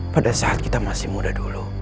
pada saat kita masih muda dulu